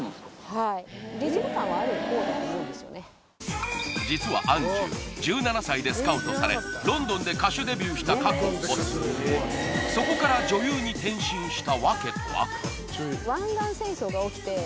はい実は杏樹１７歳でスカウトされロンドンで歌手デビューした過去を持つそこからあっそうなんですか